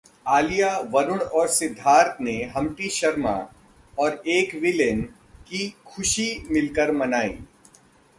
आलिया, वरुण और सिद्धार्थ ने 'हम्प्टी शर्मा...' और 'एक विलेन' की खुशी मिलकर मनाई